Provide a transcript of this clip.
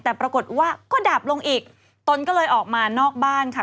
แต่ปรากฏว่าก็ดับลงอีกตนก็เลยออกมานอกบ้านค่ะ